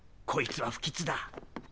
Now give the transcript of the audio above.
こいつは不吉だ。